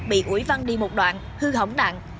bị ủi văn đi một đoạn hư hỏng nặng